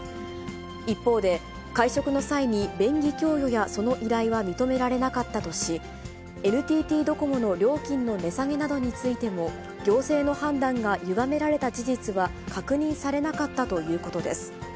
一方で、会食の際に便宜供与やその依頼は認められなかったとし、ＮＴＴドコモの料金の値下げなどについても、行政の判断がゆがめられた事実は確認されなかったということです。